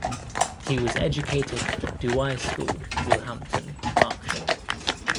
He was educated at Douai School, Woolhampton, Berkshire.